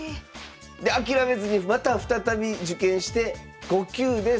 で諦めずにまた再び受験して５級で再入会。